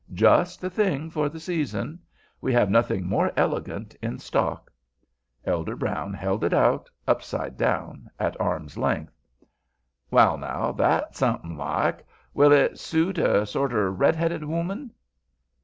Just the thing for the season. We have nothing more elegant in stock." Elder Brown held it out, upside down, at arm's length. "Well, now, that's suthin' like. Will it soot a sorter redheaded 'ooman?"